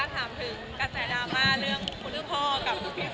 ขออนุญาตถามถึงการส่ายดราม่า